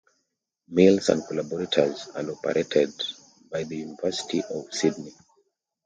Mills and collaborators and operated by the University of Sydney.